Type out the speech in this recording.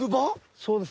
そうです。